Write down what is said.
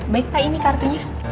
baik pak ini kartunya